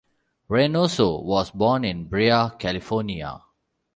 Reynoso was born in Brea, California.